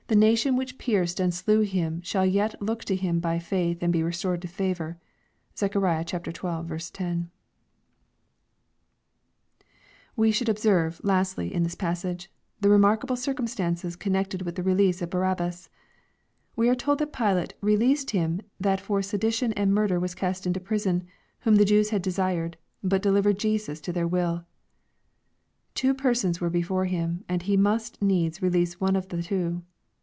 nation which pierced and slew Him, shall yet look tt Him b}' fa th and be restored to favor. (Zech. xii. 10) We should observe, lastly, in this passage, the remark" able circumstances connected with the release of Bar abbas. We are told that Pilate " released him that for sedition and murder was cast into prison, whom the Jews had desired ; but delivered Jesus to their will." Two persons were before him, and he must needs release one of the two.